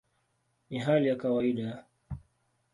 Ni hali ya kawaida".